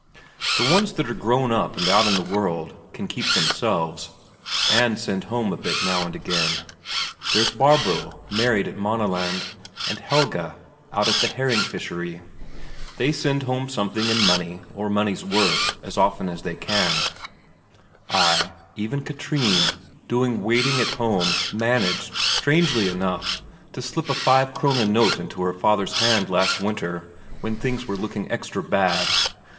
The ones that are grown up and out in the world can keep themselves, and send home a bit now and again. There's Barbro married at Maaneland, and Helge out at the herring fishery; they send home something in money or money's worth as often as they can; ay, even Katrine, doing waiting at home, managed, strangely enough, to slip a five Krone note into her father's hand last winter, when things were looking extra bad.